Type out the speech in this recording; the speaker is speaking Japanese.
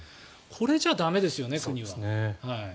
これじゃ駄目ですよね、国は。